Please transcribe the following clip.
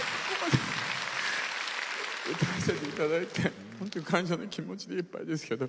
歌わせていただいて本当に感謝の気持ちでいっぱいですけど。